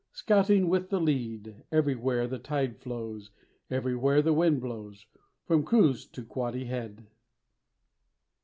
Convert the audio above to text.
Scouting with the lead: Everywhere the tide flows, Everywhere the wind blows, From Cruz to Quoddy Head.